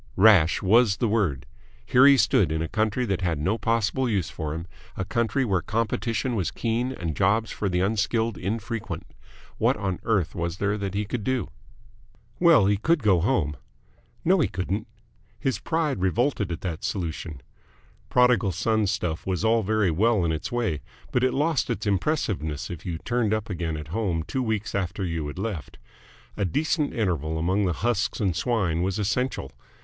Rash was the word. Here he stood, in a country that had no possible use for him, a country where competition was keen and jobs for the unskilled infrequent. What on earth was there that he could do? Well, he could go home. ... No, he couldn't. His pride revolted at that solution. Prodigal Son stuff was all very well in its way, but it lost its impressiveness if you turned up again at home two weeks after you had left. A decent interval among the husks and swine was essential.